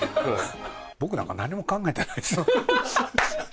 僕なんか何も考えてないですよ。